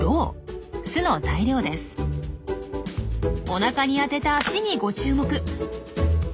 おなかに当てた脚にご注目。